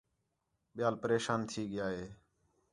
ٻِیال پریشان تھی ڳِیا ہِے